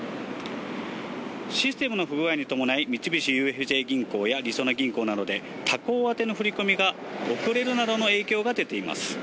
システムの不具合に伴い、三菱ＵＦＪ銀行やりそな銀行などで、他行宛ての振り込みが遅れるなどの影響が出ています。